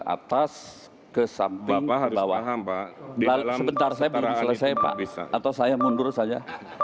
atas ke samping bawah bapak harus paham pak sebentar saya belum selesai pak atau saya mundur saja